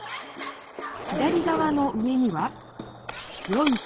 左がわの上には「よいこと」。